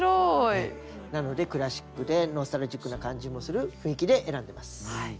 なのでクラシックでノスタルジックな感じもする雰囲気で選んでます。